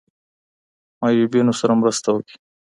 معیوبینو سره مرسته وکړئ.